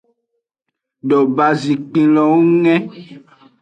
Robazikpenlowo nge.